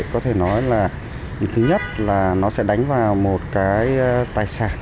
có thể nói là thứ nhất là nó sẽ đánh vào một cái tài sản